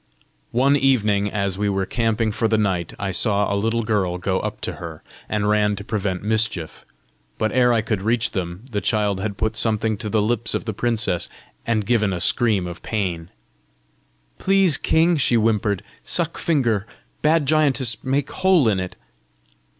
One evening, as we were camping for the night, I saw a little girl go up to her, and ran to prevent mischief. But ere I could reach them, the child had put something to the lips of the princess, and given a scream of pain. "Please, king," she whimpered, "suck finger. Bad giantess make hole in it!"